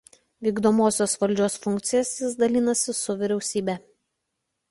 Vykdomosios valdžios funkcijas jis dalinasi su vyriausybe.